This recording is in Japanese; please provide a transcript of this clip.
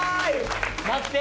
待って！